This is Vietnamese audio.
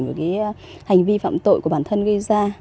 và cái hành vi phạm tội của bản thân gây ra